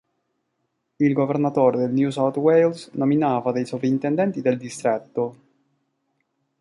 Il governatore del New South Wales nominava dei sovrintendenti del distretto.